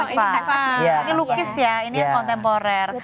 ini lukis ya ini yang kontemporer